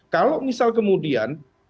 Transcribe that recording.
kalau misalnya kemudian pemerintahnya